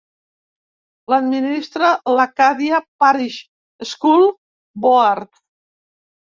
L'administra l'Acadia Parish School Board.